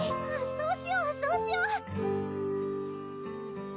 そうしようそうしよう！